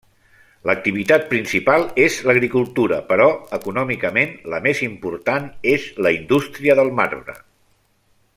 L'activitat principal és l'agricultura però econòmicament la més important és la indústria del marbre.